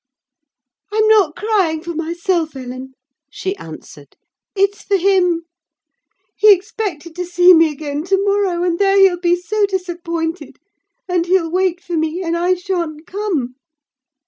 "I'm not crying for myself, Ellen," she answered, "it's for him. He expected to see me again to morrow, and there he'll be so disappointed: and he'll wait for me, and I sha'n't come!"